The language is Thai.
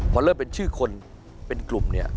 พอเริ่มเป็นชื่อคนเป็นกลุ่มเนี่ย